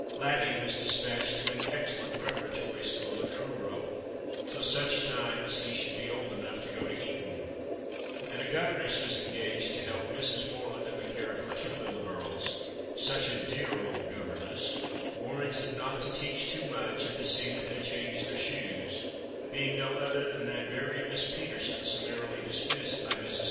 Laddie was despatched to an excellent preparatory school at Truro till such time as he should be old enough to go to Eton ; and a governess was engaged to help Mrs. Morland in the care of her two little girls, such a dear old governess, warranted not to teach too much, and to see that they changed their shoes, being no other than that very Miss Peterson summarily dismissed by Mrs. 260 The Christmas Hirelings.